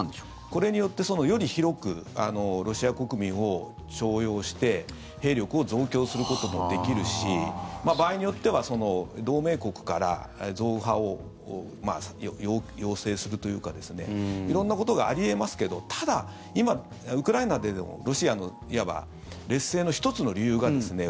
これによってより広くロシア国民を徴用して兵力を増強することもできるし場合によっては同盟国から増派を要請するというか色んなことがあり得ますけどただ、今、ウクライナでのロシアのいわば劣勢の１つの理由がですね